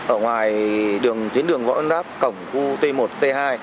ở ngoài tuyến đường võ ân đáp cổng khu t một t hai